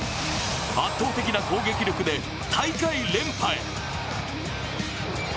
圧倒的な攻撃力で大会連覇へ。